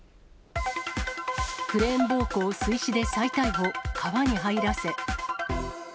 クレーン暴行水死で再逮捕、川に入らせ。